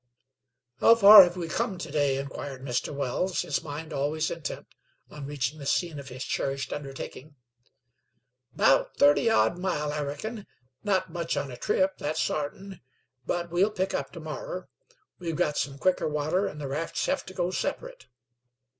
"How far have we come to day?" inquired Mr. Wells, his mind always intent on reaching the scene of his cherished undertaking. "'Bout thirty odd mile, I reckon. Not much on a trip, thet's sartin, but we'll pick up termorrer. We've some quicker water, an' the rafts hev to go separate."